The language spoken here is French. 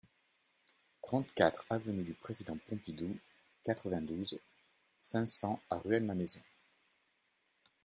trente-quatre avenue du Président Pompidou, quatre-vingt-douze, cinq cents à Rueil-Malmaison